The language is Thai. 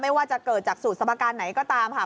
ว่าจะเกิดจากสูตรสมการไหนก็ตามค่ะ